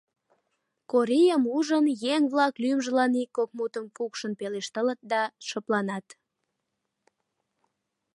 Корийым ужын, еҥ-влак лӱмжылан ик-кок мутым кукшын пелешталыт да шыпланат.